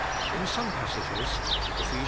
In some passages (Eph. i.